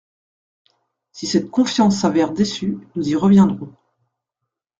Si cette confiance s’avère déçue, nous y reviendrons.